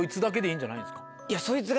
いやそいつが。